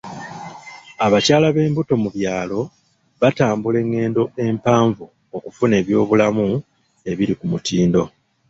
Abakyala b'embuto mu byalo batambula engendo empanvu okufuna eby'obulamu ebiri ku mutindo.